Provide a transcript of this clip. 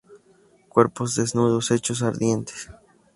Cuerpos desnudos, hechos ardientes.